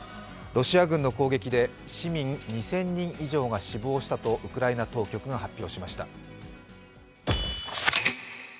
ロシア軍の攻撃で市民２０００人以上が死亡したとウクライナ当局が発表しました。